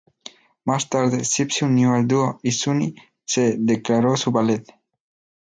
Más tarde, Zip se unió al dúo, y Sunny se declaró su valet.